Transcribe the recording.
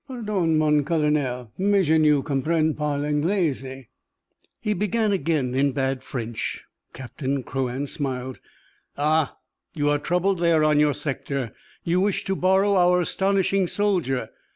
"Pardon, mon colonel, mais je ne comprends pas l'anglais." He began again in bad French. Captain Crouan smiled. "Ah? You are troubled there on your sector? You wish to borrow our astonishing soldier?